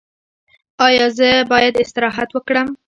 ایا زه باید استراحت وکړم؟